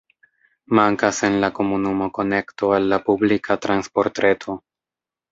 Mankas en la komunumo konekto al la publika transportreto.